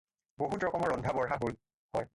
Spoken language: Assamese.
বহুত ৰকমৰ ৰন্ধা-বঢ়া হয়।